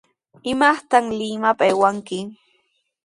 ¿Imaqta Limaman aywaykanki?